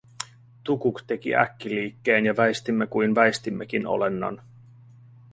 Tukuk teki äkkiliikkeen ja väistimme kuin väistimmekin olennon.